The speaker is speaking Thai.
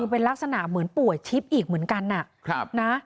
เป็นลักษณะเหมือนป่วยชิบอีกเหมือนกันนะ